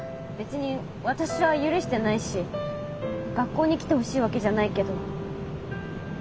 別に私は許してないし学校に来てほしいわけじゃないけど。